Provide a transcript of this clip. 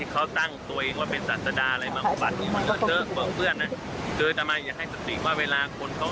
ค่ะ